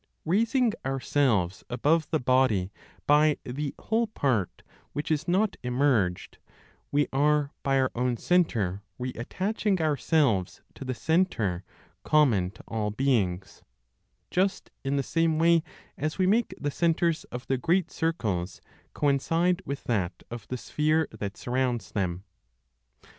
Raising ourselves above the body by the whole part which is not immerged, we are by our own centre reattaching ourselves to the Centre common to all beings, just in the same way as we make the centres of the great circles coincide with that of the sphere that surrounds them.